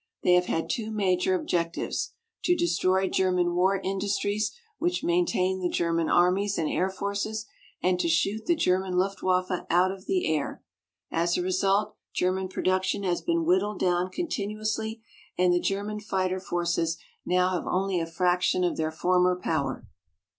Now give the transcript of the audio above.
They have had two major objectives: to destroy German war industries which maintain the German armies and air forces; and to shoot the German Luftwaffe out of the air. As a result, German production has been whittled down continuously, and the German fighter forces now have only a fraction of their former power.